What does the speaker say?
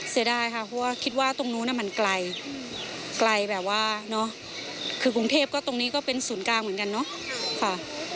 เสียดายค่ะเพราะว่าคิดว่าตรงนู้นมันไกลไกลแบบว่าเนอะคือกรุงเทพก็ตรงนี้ก็เป็นศูนย์กลางเหมือนกันเนาะค่ะ